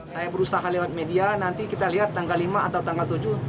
saya berusaha lewat media nanti kita lihat tanggal lima atau tanggal tujuh